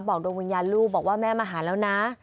ดวงวิญญาณลูกบอกว่าแม่มาหาแล้วนะ